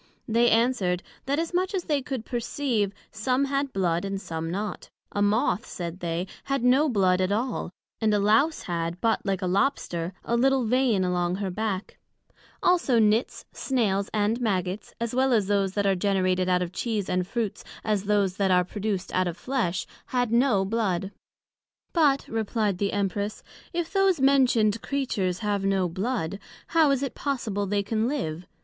They answered, That, as much as they could perceive, some had Blood, and some not; a Moth, said they, had no Blood at all, and a Lowse had, but like a Lobster, a little Vein along her back: Also Nits, Snails, and Maggots, as well as those that are generated out of Cheese and Fruits, as those that are produced out of Flesh, had no blood: But, replied the Empress, If those mentioned creatures have no blood, how is it possible they can live?